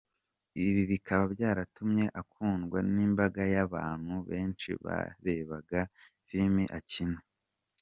Ibi bikaba byaratumye akundwa n’imbaga y’abantu benshi barebaga filimi akina.